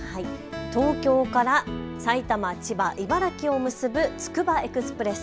東京から埼玉、千葉、茨城を結ぶつくばエクスプレス。